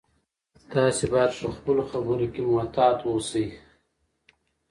تاسي باید په خپلو خبرو کې محتاط اوسئ.